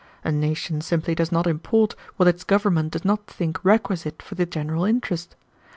A nation simply does not import what its government does not think requisite for the general interest.